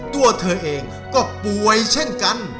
ตัวเธอเองก็ป่วยเช่นกัน